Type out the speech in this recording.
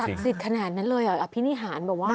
สิทธิ์ขนาดนั้นเลยอ่ะอภินิหารแบบว่า